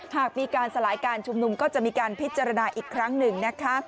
หากมีการสลายการชุมนุมก็จะมีการพิจารณาอีกครั้งหนึ่งนะคะ